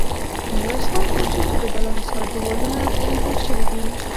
ميرويس خان پوه شو چې د بالا حصار دېوالونه پلن جوړ شوي دي.